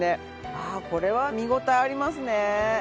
ああこれは見応えありますね。